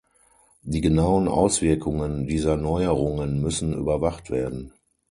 Die genauen Auswirkungen dieser Neuerungen müssen überwacht werden.